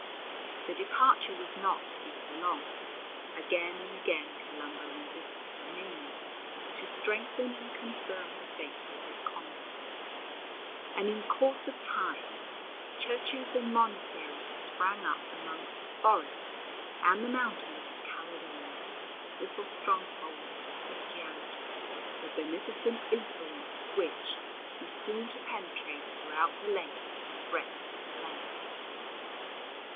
The departure was not to be for long. Again and again Columba revisited the mainland to strengthen and confirm the faith of his converts; and in course of time churches and monasteries sprang up amongst the forests and the mountains of Caledonia, little strongholds of Christianity the beneficent influence of which was soon to penetrate throughout the length and breadth of the land.